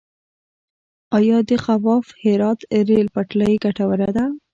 آیا د خواف - هرات ریل پټلۍ ګټوره ده؟